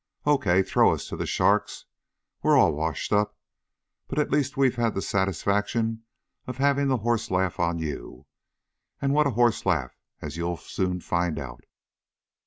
"Okay. Throw us to the sharks. We're all washed up. But at least we've had the satisfaction of having the horse laugh on you. And what a horse laugh, as you'll soon find out!"